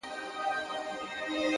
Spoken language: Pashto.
عاجزي د احترام دروازې پرانیزي؛